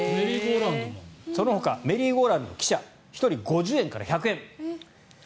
そのほかメリーゴーラウンド汽車、１人５０円から１００円。